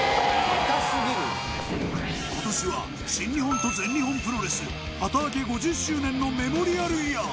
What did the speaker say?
今年は新日本と全日本プロレス旗揚げ５０周年のメモリアルイヤー。